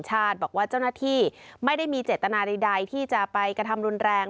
บอกว่าเจ้าหน้าที่ไม่ได้มีเจตนาใดที่จะไปกระทำรุนแรง